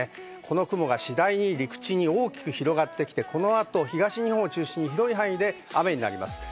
雲が次第に陸地に大きく広がって、この後、東日本を中心に広い範囲で雨になりそうです。